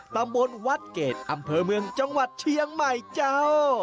ตำบลวัดเกรดอำเภอเมืองจังหวัดเชียงใหม่เจ้า